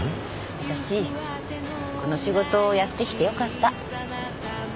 私この仕事やってきてよかった。